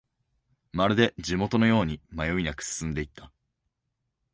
まるで地元のように迷いなく進んでいった